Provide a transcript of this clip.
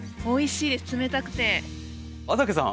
安宅さん。